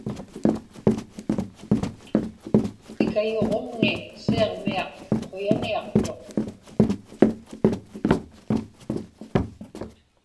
Ikayuġumni Siġmiaq quyaniaqtuq.